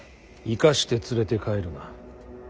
生かして連れて帰るな。